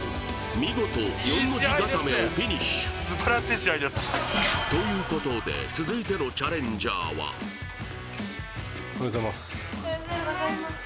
見事４の字固めをフィニッシュということで続いてのチャレンジャーはおはようございますおはようございます